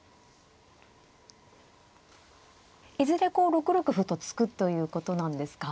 いずれこう６六歩と突くということなんですか。